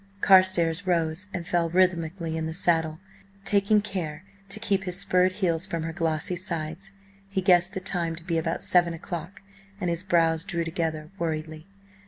Carstares rose and fell rhythmically in the saddle, taking care to keep his spurred heels from her glossy sides. He guessed the time to be about seven o'clock, and his brows drew together worriedly.